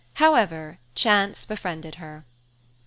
However, chance befriended her.